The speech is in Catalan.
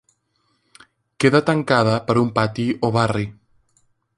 Queda tancada per un pati o barri.